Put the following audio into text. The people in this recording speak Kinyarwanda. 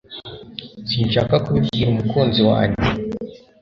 Sinshaka kubibwira umukunzi wanjye